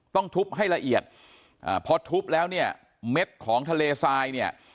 ต้องทุบให้ละเอียดเพราะทุบแล้วเม็ดของทะเลทราย